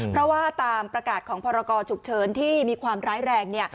เพราะว่าตามประกาศของพรกรฉุกเฉินที่มีความร้ายแรง